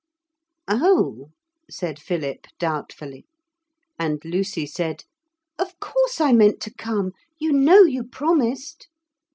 'Oh,' said Philip doubtfully. And Lucy said: 'Of course I meant to come. You know you promised.'